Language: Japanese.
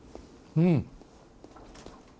うん。